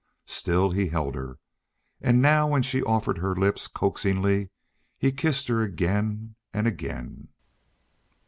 Still he held her, and now when she offered her lips coaxingly he kissed her again and again.